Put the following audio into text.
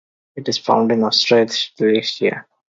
It is found in Australasia.